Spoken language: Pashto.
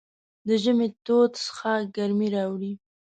د ژمي تود څښاک ګرمۍ راوړي.